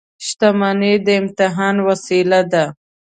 • شتمني د امتحان وسیله ده.